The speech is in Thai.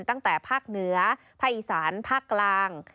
ตั้งแต่ภาคเหนือภาคอีสานภาคกลาง